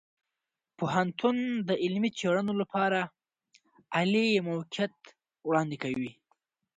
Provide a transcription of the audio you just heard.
پوهنتون د علمي څیړنو لپاره عالي موقعیت وړاندې کوي.